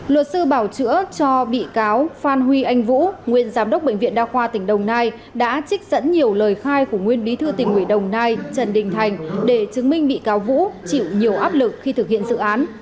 luật sư bảo chữa cho bị cáo phan huy anh vũ nguyên giám đốc bệnh viện đa khoa tỉnh đồng nai đã trích dẫn nhiều lời khai của nguyên bí thư tỉnh ủy đồng nai trần đình thành để chứng minh bị cáo vũ chịu nhiều áp lực khi thực hiện dự án